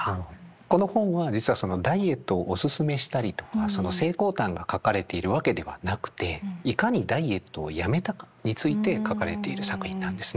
この本は実はダイエットをお勧めしたりとか成功譚が書かれているわけではなくていかにダイエットをやめたかについて書かれている作品なんですね。